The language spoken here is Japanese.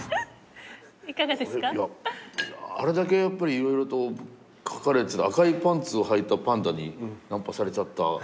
これいやあれだけやっぱり色々と書かれてた赤いパンツをはいたパンダにナンパされちゃった。